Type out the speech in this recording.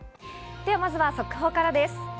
では、まずは速報からです。